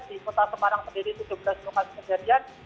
di kota semarang sendiri tujuh belas lokasi kejadian